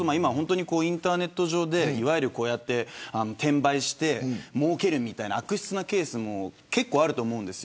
インターネット上で転売してもうけるみたいな悪質なケースも結構あると思うんです。